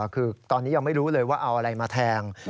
คือตอนนี้ยังไม่รู้เลยว่าเอาอะไรมาแทง